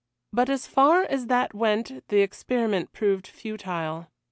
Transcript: But as far as that went the experiment proved futile.